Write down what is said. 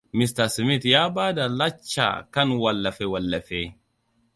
Mista Smith ya ba da lacca kan wallafe-wallafe.